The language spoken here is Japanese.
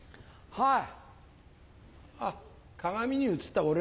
はい。